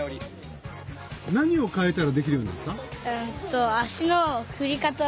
何を変えたらできるようになった？